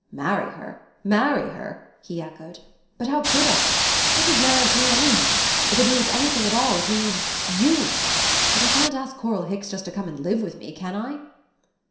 "Marry her? Marry her?" he echoed. "But how could I? What does marriage mean anyhow? If it means anything at all it means you! And I can't ask Coral Hicks just to come and live with me, can I?"